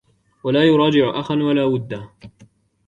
وَلَا يُرَاجِعُ أَخًا وَلَا وُدًّا